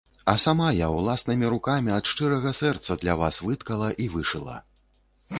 А сама я ўласнымі рукамі ад шчырага сэрца для вас выткала і вышыла.